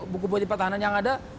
buku buku pertahanan yang ada